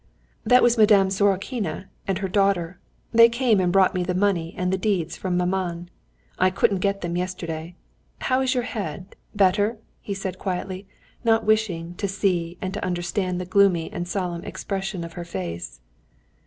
"That was Madame Sorokina and her daughter. They came and brought me the money and the deeds from maman. I couldn't get them yesterday. How is your head, better?" he said quietly, not wishing to see and to understand the gloomy and solemn expression of her face.